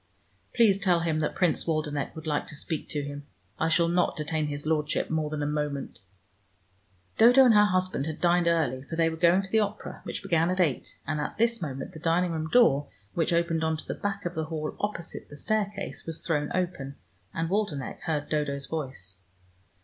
"Please tell him that Prince Waldenech would like to speak to him. I shall not detain his Lordship more than a moment!" Dodo and her husband had dined early, for they were going to the opera which began at eight, and at this moment the dining room door, which opened on to the back of the hall opposite the staircase, was thrown open, and Waldenech heard Dodo's voice.